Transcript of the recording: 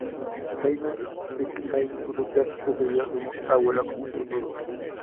James Fitzjames Butler, sucedió a su abuelo como segundo duque.